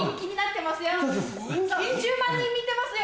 １０万人見てますよ！